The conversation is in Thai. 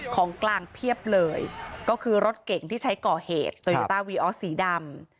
ของกลางเพียบเลยก็คือรถเก่งที่ใช้ก่อเหตุโตยาต้าวีออสสีดำ